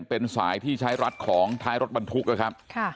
เป็นสายที่ใช้รัดของท้ายรถบรรทุกนะครับ